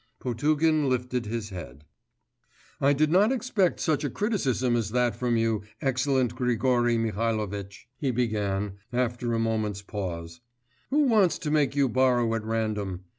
Potugin lifted his head. 'I did not expect such a criticism as that from you, excellent Grigory Mihalovitch,' he began, after a moment's pause. 'Who wants to make you borrow at random?